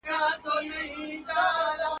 د ژوندو لاري د سخره دي.